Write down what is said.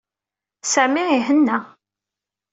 Sami ihenna.